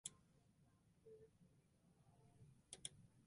Set alle dagen in wekker om healwei sânen moarns.